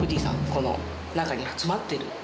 この中に詰まってる。